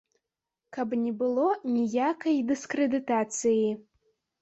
Каб не было ніякай дыскрэдытацыі.